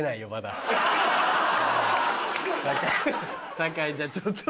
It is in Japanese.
酒井じゃちょっと。